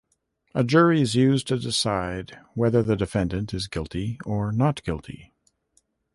A jury is used to decide whether the defendant is guilty or not guilty.